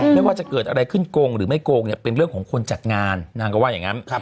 ไม่ว่าจะเกิดอะไรขึ้นโกงหรือไม่โกงเนี่ยเป็นเรื่องของคนจัดงานนางก็ว่าอย่างนั้น